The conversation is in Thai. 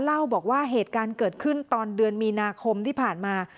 เล่าบอกว่าเหตุการณ์เกิดขึ้นตอนเดือนมีนาคมที่ผ่านมา